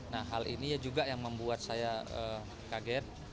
nah hal ini juga yang membuat saya kaget